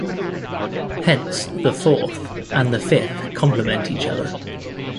Hence the "fourth" and the "fifth" complement each other.